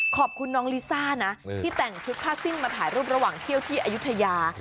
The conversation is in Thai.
ขอบคุณน้องลิซ่านะที่แต่งชุดผ้าสิ้นมาถ่ายรูประหว่างเที่ยวที่อายุทยา